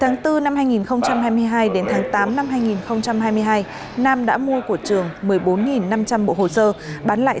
từ tháng bốn năm hai nghìn hai mươi hai đến tháng tám năm hai nghìn hai mươi hai nam đã mua của trường một mươi bốn năm trăm linh bộ hồ sơ bán lại